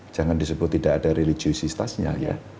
jangan disebut tidak ada religiusitasnya ya